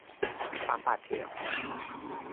ความป่าเถื่อน